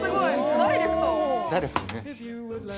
ダイレクトにね。